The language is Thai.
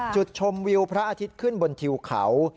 จุดชมวิวพระอาทิตย์ขึ้นบนทิวเขา